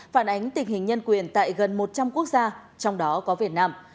phản ánh tình hình nhân quyền tại gần một trăm linh quốc gia trong đó có việt nam